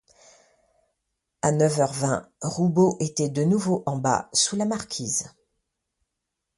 A neuf heures vingt, Roubaud était de nouveau en bas, sous la marquise.